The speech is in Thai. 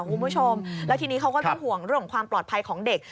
คุณผู้ชมแล้วทีนี้เขาก็ต้องห่วงเรื่องของความปลอดภัยของเด็ก